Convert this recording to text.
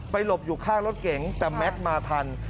หลบอยู่ข้างรถเก๋งแต่แม็กซ์มาทัน